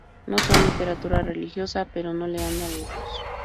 No son literatura religiosa, pero no le andan lejos.